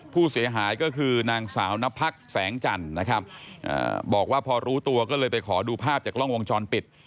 ผู้เสียหายก็คือนางสาวนพักแสงจันทร์นะครับบอกว่าพอรู้ตัวก็เลยไปขอดูภาพจากกล้องวงจรปิด